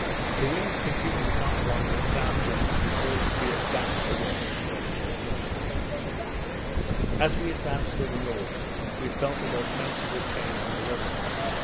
The wind continued not long at S.W. before it veered back to the west and W.N.W. As we advanced to the north, we felt a most sensible change in the weather.